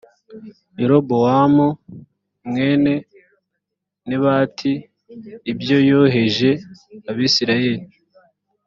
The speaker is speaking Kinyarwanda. yerobowamu mwene nebati ibyo yoheje abisirayeli